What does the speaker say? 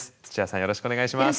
よろしくお願いします。